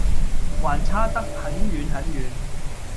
還差得很遠很遠。